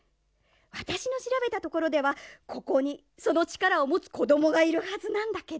わたしのしらべたところではここにそのちからをもつこどもがいるはずなんだけど。